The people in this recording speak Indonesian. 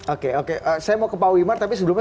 oke oke saya mau ke pak wimar tapi sebelumnya